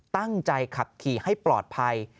ตั้งใจขับขี่ให้ปลอดภัย